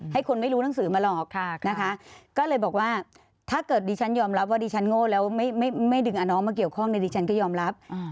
ให้คนไม่รู้หนังสือมาหรอกนะคะก็เลยบอกว่าถ้าเกิดดิฉันยอมรับว่าดิฉันโง่แล้วไม่ดึงเอาน้องมาเกี่ยวข้องในดิฉันก็ยอมรับ